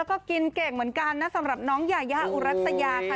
ก็กินเก่งเหมือนกันนะสำหรับน้องยายาอุรัสยาค่ะ